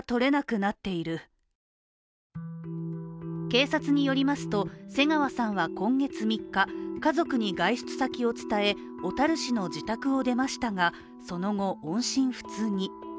警察によりますと、瀬川さんは今月３日、家族に外出先を伝え、小樽市の自宅を出ましたが、その後、音信不通に。